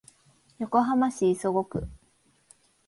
横浜市磯子区